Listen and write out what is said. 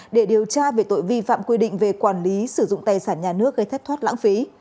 để điều tra về tội vi phạm quy định về quản lý sử dụng tài sản nhà nước gây thất thoát lãng phí